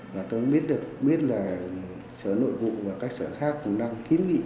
và tôi biết được biết là sở nội vụ và các sở khác cũng đang kiến nghị